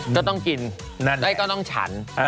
ก็ต้องกินนั่นก็ต้องฉัน